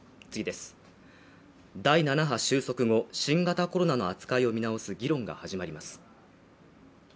第７波収束後、新型コロナの扱いを見直す議論が始まります。